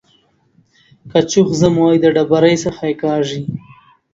که چوخ ځم وايي د ډبرۍ څخه يې کاږي.